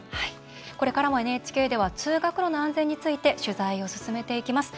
これからもＮＨＫでは通学路の安全について取材を進めていきます。